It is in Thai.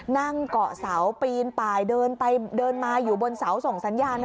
นั่งเกาะเสาปีนไปเดินไปเดินมาอยู่บนเสาส่งสัญญาณ